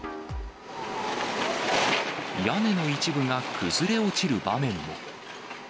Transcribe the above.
屋根の一部が崩れ落ちる場面も。